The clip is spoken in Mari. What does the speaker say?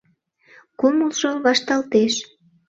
Кумылжо вашталтеш.